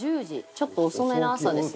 ちょっと遅めの朝ですね」